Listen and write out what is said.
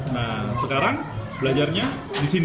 nah sekarang belajarnya di sini